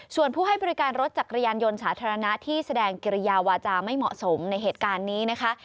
ส่วนผู้ให้บริการรถจักรยานยนต์สาธารณะที่แสดงกิริยาวาจาไม่เหมาะสมในเหตุการณ์นี้นะคะ